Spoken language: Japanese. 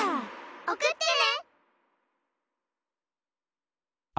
・おくってね。